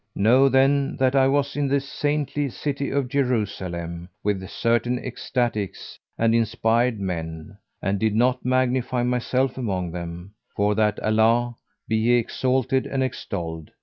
Know, then, that I was in the saintly City of Jerusalem with certain ecstatics and inspired men, and did not magnify myself among them, for that Allah (be He exalted and extolled!)